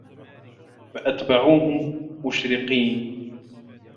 فَأَتبَعوهُم مُشرِقينَ